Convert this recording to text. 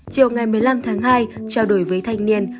chiều ngày một mươi năm tháng hai trao đổi với thanh niên